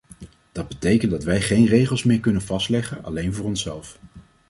Dat betekent dat wij geen regels meer kunnen vastleggen alleen voor onszelf.